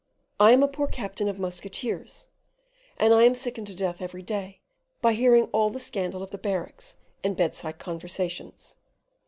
I am a poor captain of musketeers, and I am sickened to death every day by hearing all the scandal of the barracks and bedside conversations.